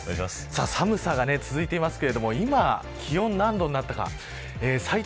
寒さが続いていますけど今、気温が何度にかになったか。